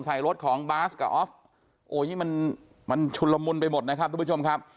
ใส่รถของบ๊าซกับออฟโอ้ยนี่มันชุลมนมุนไปหมดนะครับทุกผู้ชม